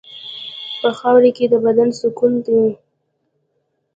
په خاوره کې د بدن سکون دی.